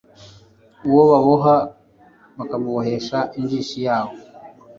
uwo baboha bakamubohesha injishi yawo